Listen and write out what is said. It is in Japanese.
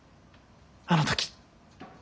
あの時。